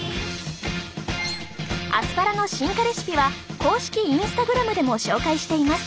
アスパラの進化レシピは公式Ｉｎｓｔａｇｒａｍでも紹介しています。